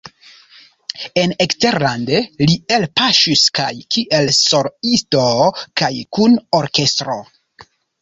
En eksterlande li elpaŝis kaj kiel soloisto kaj kun orkestro.